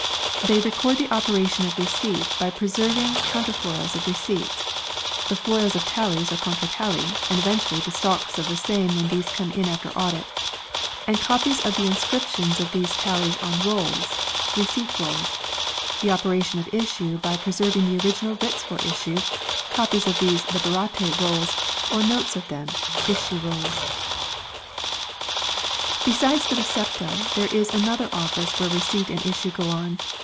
They ro record the operation of receipt by preserving counter foils of receipts (the foils of tallies or "contratalee," and eventually the stocks of the same when these come in after audit), and copies of the inscriptions of these tallies on rolls (Receipt Rolls) : the operation of issue by preserving the original writs for issue, copies of these (Liberate Rolls 1 ) or notes of them (Issue Rolls). Besides the " Recepta " there is another office where receipt and issue go on.